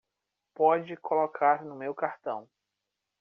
Pode colocar no meu cartão.